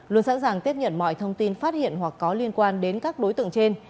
luôn sẵn sàng tiếp nhận mọi thông tin phát hiện hoặc có liên quan đến các đối tượng trên